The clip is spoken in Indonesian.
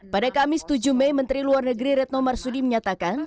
pada kamis tujuh mei menteri luar negeri retno marsudi menyatakan